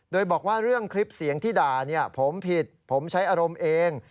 โดยบอกว่าเรื่องคลิปเสียงที่ด่าผมผิดผมใช้อารมณ์เอง